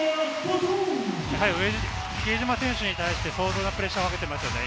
う比江島選手に対して、相当なプレッシャーをかけていますね。